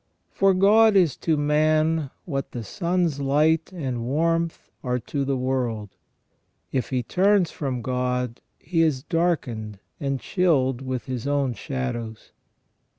For God is to man what the sun's light and warmth are to the world ; if he turns from God he is darkened and chilled with his own shadows.